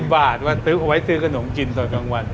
๒๐บาทไว้ซื้อกระหน่งกินตอนกลางวัน